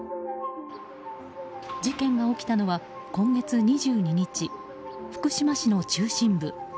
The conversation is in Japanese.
事件が起きたのは今月２２日福島市の中心部。